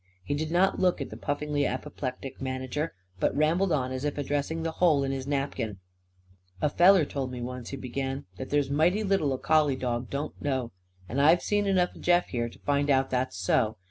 He did not look at the puffingly apoplectic manager, but rambled on as if addressing the hole in his napkin. "A feller told me once," he began, "that there's mighty little a collie dog don't know. And I've seen enough of Jeff, here, to find out that's so.